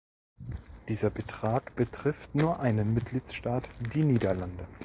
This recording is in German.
Dieser Betrag betrifft nur einen Mitgliedstaat die Niederlande.